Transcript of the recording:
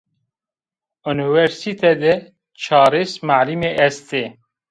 Unîversîte de çarês malimî est ê